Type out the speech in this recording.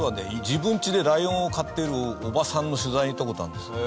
自分ちでライオンを飼ってるおばさんの取材に行った事あるんですよ。